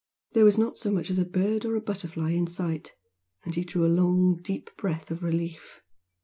There was not so much as a bird or a butterfly in sight, and he drew a long deep breath of relief.